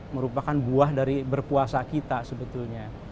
merupakan buah dari berpuasa kita sebetulnya